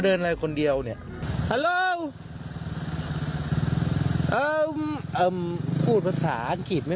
เอาเดี๋ยวลองดูกันหน่อยค่ะ